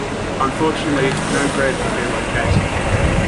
Unfortunately, no grave could be located.